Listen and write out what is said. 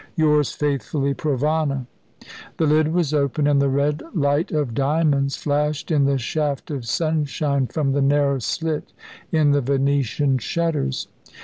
"Yours faithfully, "PROVANA." The lid was open and the red light of diamonds flashed in the shaft of sunshine from the narrow slit in the Venetian shutters.